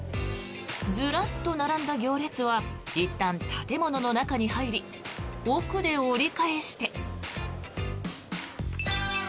ずらっと並んだ行列はいったん建物の中に入り奥で折り返して。